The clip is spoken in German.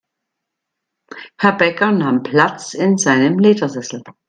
Herr Bäcker nahm Platz in seinem Ledersessel.